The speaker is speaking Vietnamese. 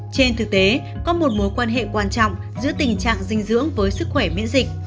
trên thực tế có một mối quan hệ quan trọng giữa tình trạng dinh dưỡng với sức khỏe miễn dịch